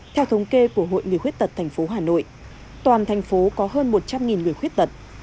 theo thống kê của hội người khuyết tật tp hà nội toàn thành phố có hơn một trăm linh người khuyết tật